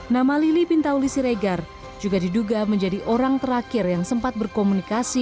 nama lili pintauli siregar juga diduga menjadi orang terakhir yang sempat berkomunikasi